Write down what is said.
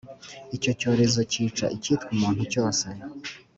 icyo cyorezo, kica icyitwa umuntu cyose